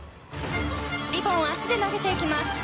リボンを足で投げていきます。